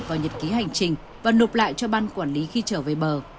vào nhật ký hành trình và nộp lại cho ban quản lý khi trở về bờ